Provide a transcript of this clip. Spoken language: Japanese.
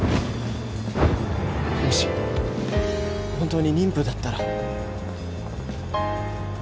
もし本当に妊婦だったら。